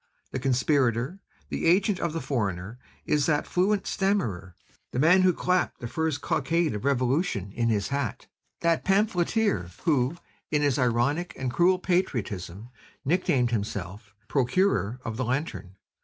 The conspirator, the agent of the foreigner is that fluent stammerer, the man who clapped the first cockade of revolution in his hat, that pamphleteer who, in his ironical and cruel patriotism, nicknamed himself, 'The procureur of the Lantern.'